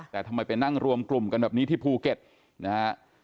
แต่ทำไมไปนั่งรวมกลุ่มกันแบบนี้ที่ภูเก็ตนะฮะ